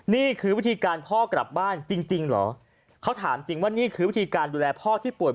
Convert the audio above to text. นี่คือวิธีการพ่อกลับบ้านจริงเหรอเขาถามจริงว่านี่คือวิธีการดูแลพ่อที่ป่วย